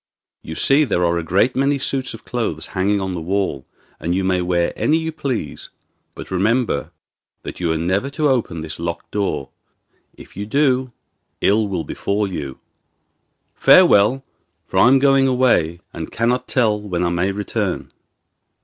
You see there are a great many suits of clothes hanging on the wall, and you may wear any you please; but remember that you are never to open this locked door. If you do ill will befall you. Farewell, for I am going away again and cannot tell when I may return.